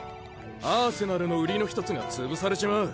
アーセナルの売りの１つがつぶされちまう。